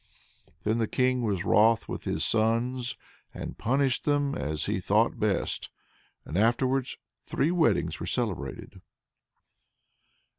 Then the King was wroth with those sons, and punished them as he thought best. And afterwards three weddings were celebrated.